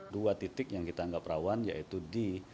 dua titik yang kita anggap rawan yaitu di